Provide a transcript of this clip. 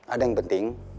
ada yang penting